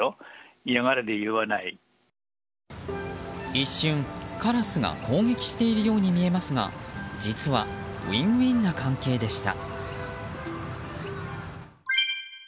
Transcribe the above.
一瞬、カラスが攻撃しているように見えますが実はウィンウィンな関係でした。